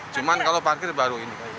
cuma kalau parkir baru ini